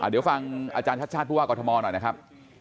เดี๋ยวฟังอาจารย์ชาติชาติผู้ว่ากรทมหน่อยนะครับ